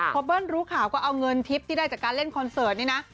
พอเบิ้ลรู้ข่าวก็เอาเงินทิพย์ที่ได้จากการเล่นคอนเสิร์ตนี่นะ